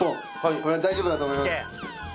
これは大丈夫だと思います。